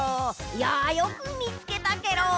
いやよくみつけたケロ。